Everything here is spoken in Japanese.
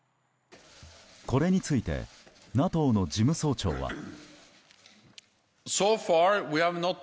これについてＮＡＴＯの事務総長は。